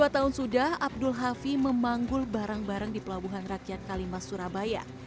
dua tahun sudah abdul hafi memanggul barang barang di pelabuhan rakyat kalimah surabaya